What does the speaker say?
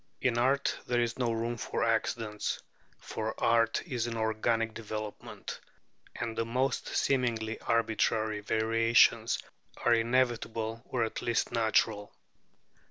In art there is no room for accidents: for art is an organic development, and the most seemingly arbitrary variations are inevitable or at least natural.